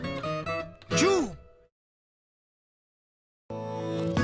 キュー！